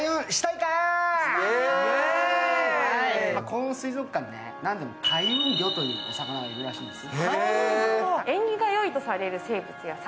この水族館、なんでも開運魚というお魚がいるそうなんです。